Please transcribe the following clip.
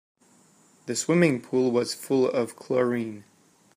The swimming pool was full of chlorine.